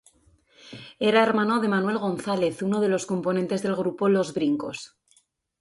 Era hermano de Manuel González, uno de los componentes del grupo Los Brincos.